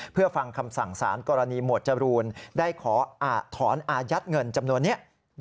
เพื่อฟังคำสั่งสารกรณีหมวดจรูนได้ขอถอนอายัดเงินจำนวนนี้